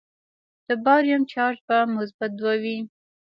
د باریم چارج به مثبت دوه وي.